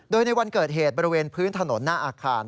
โดยในวันเกิดเหตุบริเวณพื้นถนนหน้าอาคาร